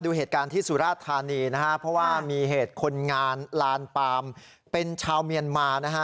ดูเหตุการณ์ที่สุราธานีนะฮะเพราะว่ามีเหตุคนงานลานปามเป็นชาวเมียนมานะฮะ